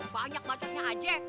banyak bajaknya aja